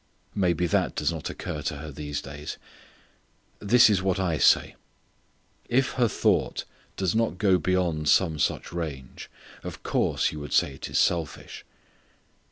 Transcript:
Maybe that does not occur to her these days. This is what I say: If her thought does not go beyond some such range, of course you would say it is selfish.